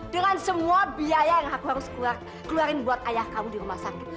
dengan semua biaya yang aku harus keluarin buat ayah kamu di rumah sakit